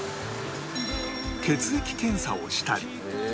血液検査をしたり